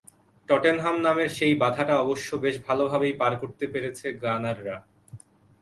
Tottenham নামের সেই বাধাটা অবশ্য বেশ ভালোভাবেই পার করতে পেরেছে গানাররা।